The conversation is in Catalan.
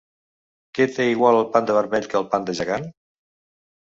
Què té igual el panda vermell que el panda gegant?